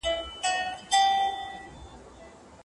موږ او تاسي هم مرغان یو هم خپلوان یو